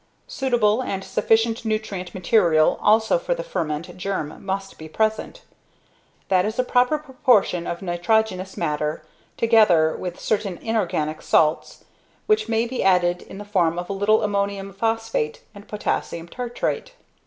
Suitable and sufficient nutrient material also for the ferment germ must be present; that is a proper proportion of nitrogenous matter, together with certain inorganic salts, which may be added in the form of a little ammonium phosphate and potassium tartrate.